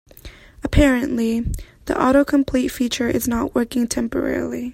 Apparently, the autocomplete feature is not working temporarily.